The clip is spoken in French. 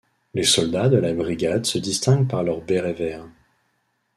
Les soldats de la brigade se distinguent par leurs bérets verts.